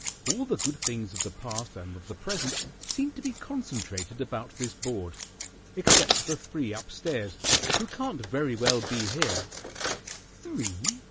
All the good things of the past and of the present seem to be concentrated about this board except the three up stairs, who can't very well be here." "Three?"